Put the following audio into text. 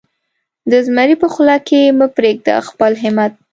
د زمري په خوله کې مه پرېږده خپل همت.